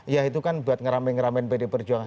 ya itu kan buat ngeramain ngeramain pdi perjuangan